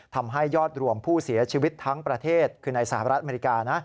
ทำให้ยอดรวมผู้เสียชีวิตทั้งประเทศคือในสหรัฐอเมริกานะ